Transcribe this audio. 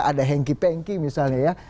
ada hengki pengki misalnya ya